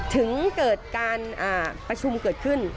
ถึงเกิดการประชุมเกิดขึ้น